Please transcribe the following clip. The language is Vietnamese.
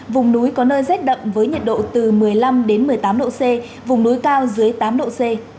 vùng núi có nơi rét đậm với nhiệt độ từ một mươi năm một mươi tám độ c vùng núi cao dưới tám độ c